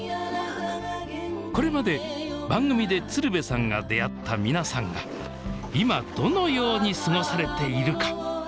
これまで番組で鶴瓶さんが出会った皆さんが今どのように過ごされているか。